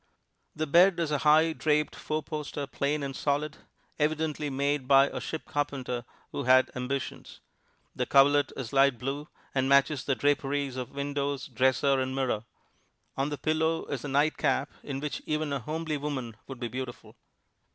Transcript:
The bed is a high, draped four poster, plain and solid, evidently made by a ship carpenter who had ambitions. The coverlet is light blue, and matches the draperies of windows, dresser and mirror. On the pillow is a nightcap, in which even a homely woman would be beautiful.